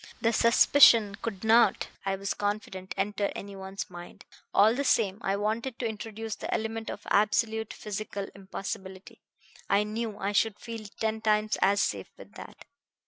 The suspicion could not, I was confident, enter any one's mind. All the same, I wanted to introduce the element of absolute physical impossibility; I knew I should feel ten times as safe with that.